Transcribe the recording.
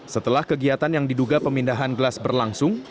setelah kegiatan yang diduga pemindahan gelas berlangsung